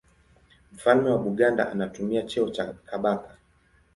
Mfalme wa Buganda anatumia cheo cha Kabaka.